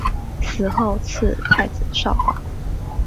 死后赠太子少保。